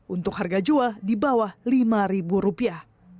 untuk harga jua di bawah lima ribu rupiah